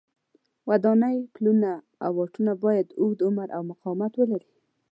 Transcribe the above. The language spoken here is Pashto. ودانۍ، پلونه او واټونه باید اوږد عمر او مقاومت ولري.